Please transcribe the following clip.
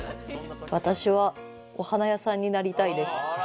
私はお花屋さんになりたいです。